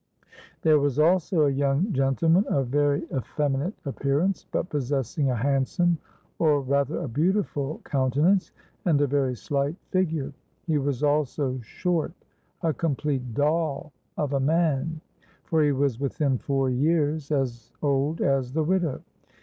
There was also a young gentleman of very effeminate appearance, but possessing a handsome—or rather a beautiful countenance, and a very slight figure. He was also short—a complete doll of a man; for he was within four years as old as the widow.